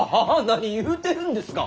何言うてるんですか！